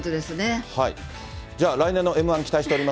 じゃあ来年のＭー１期待しております。